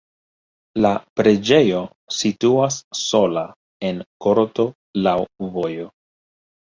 La preĝejo situas sola en korto laŭ vojo.